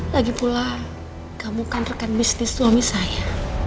lagi pula kamu kan rekan bisnis suami saya